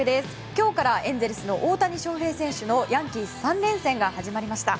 今日からエンゼルスの大谷翔平選手のヤンキース３連戦が始まりました。